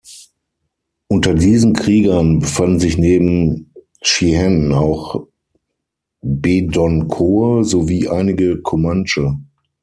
Unter diesen Kriegern befanden sich neben Chihenne auch Bedonkohe sowie einige Comanche.